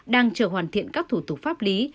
đang chờ hoàn thiện các thủ tục pháp lý